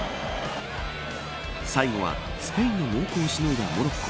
最後はスペインの猛攻をしのいだモロッコ。